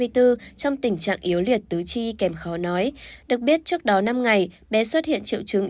trong tình trạng yếu liệt tứ chi kèm khó nói được biết trước đó năm ngày bé xuất hiện triệu chứng